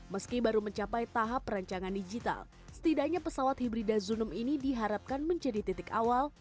meski baru mencapai tahap perancangan digital setidaknya pesawat hibrida zunum ini diharapkan menjadi titik awal